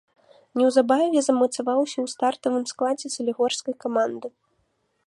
Неўзабаве замацаваўся ў стартавым складзе салігорскай каманды.